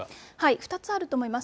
２つあると思います。